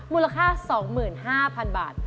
มูลค่า๒๕๐๐๐บาท